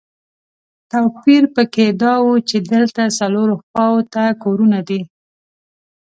توپیر په کې دا و چې دلته څلورو خواوو ته کورونه دي.